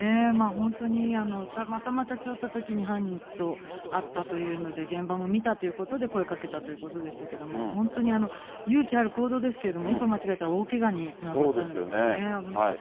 本当にたまたま立ち寄ったときに犯人と会ったというので現場も見たってことで声かけたということでしたけども、本当に勇気ある行動ですけれども、一歩間違えたら大けがにつながっそうですよね。